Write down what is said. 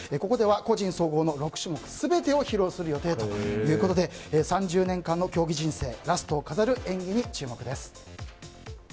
ここでは個人総合の６種目全てを披露する予定ということで３０年間の競技人生ラストを飾る演技に注目です。